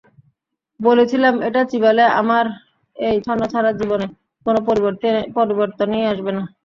বলেছিলাম, এটা চিবালে আমার এই ছন্নছাড়া জীবনে কোনো পরিবর্তনই আসবে না!